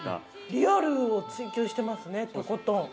リアルを追求してますね、とことん。